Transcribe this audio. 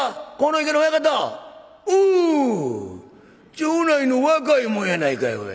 町内の若い者やないかいおい。